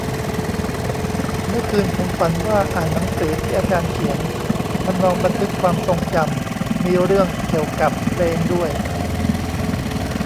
เมื่อคืนผมฝันว่าอ่านหนังสือที่อาจารย์เขียน ทำนองบันทึกความทรงจำ มีเรื่องเกี่ยวกับเพลงด้วย